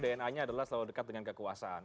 dna nya adalah selalu dekat dengan kekuasaan